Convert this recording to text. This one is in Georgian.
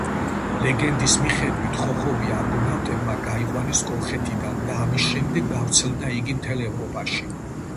ლეგენდის მიხედვით ხოხობი არგონავტებმა გაიყვანეს კოლხეთიდან და ამის შემდეგ გავრცელდა იგი მთელ ევროპაში.